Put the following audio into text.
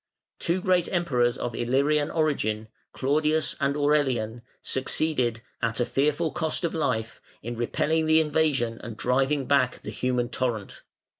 Two great Emperors of Illyrian origin, Claudius and Aurelian, succeeded, at a fearful cost of life, in repelling the invasion and driving back the human torrent.